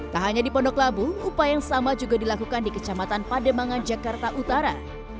tak hanya di pondok labu upaya yang sama juga dilakukan di kecamatan pademangan jakarta utara